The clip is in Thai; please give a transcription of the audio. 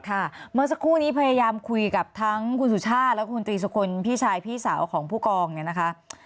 เมื่อสักครู่นี้พยายามคุยกับทั้งคุณสุชาติและคุณตรีสุคลพี่ชายพี่สาวของผู้กองเนี่ยนะคะ